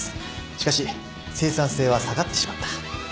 しかし生産性は下がってしまった。